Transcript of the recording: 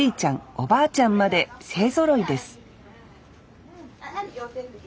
おばあちゃんまで勢ぞろいです